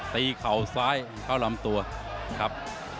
เข่าซ้ายเข้าลำตัวครับ